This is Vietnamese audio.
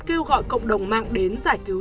kêu gọi cộng đồng mạng đến giải cứu